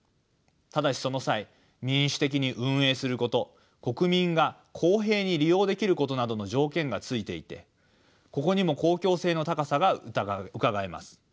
ただしその際「民主的に運営すること」「国民が公平に利用できること」などの条件がついていてここにも公共性の高さがうかがえます。